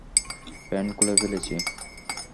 Pant খুলে ফেলেছি।